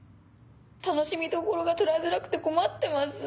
楽しみどころが捉えづらくて困ってます。